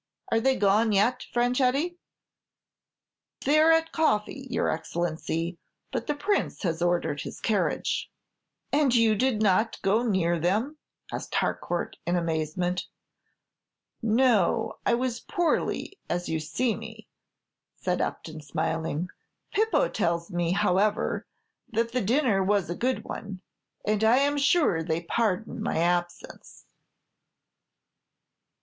Are they gone yet, Franchetti?" "They're at coffee, your Excellency, but the Prince has ordered his carriage." "And you did not go near them?" asked Harcourt, in amazement. "No; I was poorly, as you see me," said Upton, smiling. "Pipo tells me, however, that the dinner was a good one, and I am sure they pardon my absence."